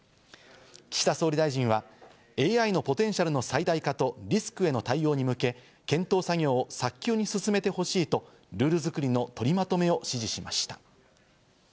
岸田総理大臣はＡＩのポテンシャルの最大化とリスクへの対応に向け、検討作業を早急に進めてほしいとルール作りの取りまとめを指示しました。